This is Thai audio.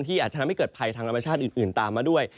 อาจจะทำให้เกิดภัยทางธรรมชาติอื่นตามมาด้วย